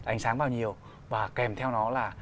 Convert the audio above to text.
ánh sáng vào nhiều và kèm theo nó là